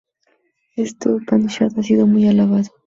Este "Upanishad" ha sido muy alabado.